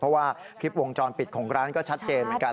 เพราะว่าคลิปวงจรปิดของร้านก็ชัดเจนเหมือนกัน